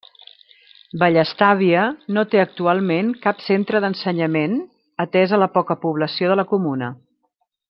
Vallestàvia no té actualment cap centre d'ensenyament, atesa la poca població de la comuna.